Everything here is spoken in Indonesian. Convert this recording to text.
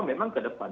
memang ke depan